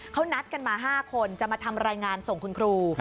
เขานัดกันมา๕คนจะมาทำรายงานส่งคุณครู